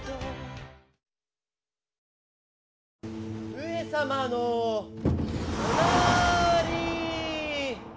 上様のおなーりー！